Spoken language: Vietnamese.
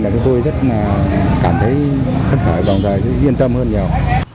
là chúng tôi rất cảm thấy thất vọng và yên tâm hơn nhiều